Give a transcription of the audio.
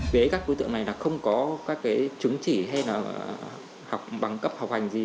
về các đối tượng này là không có các cái chứng chỉ hay là bằng cấp học hành gì